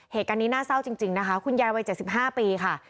เหตุการณ์นี้น่าเศร้าจริงนะคะคุณยายวัย๗๕ปีค่ะ